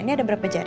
ini ada berapa jari